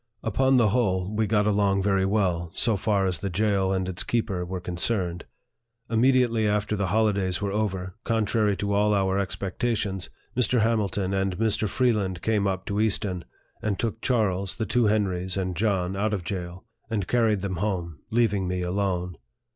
Upon the whole, we got along very well, so far as the jail and its keeper were concerned. Immediately after the holidays were over, contrary to all our expecta tions, Mr. Hamilton and Mr. Freeland came up to Easton, and took Charles, the two Henrys, and John, out of jail, and carried them home, leaving me alone.